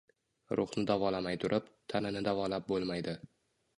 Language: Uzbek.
Ruhni davolamay turib, tanani davolab bo‘lmaydi.